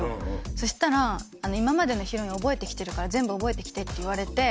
そしたら、今までのヒロイン覚えてきてるから、全部覚えてきてって言われて。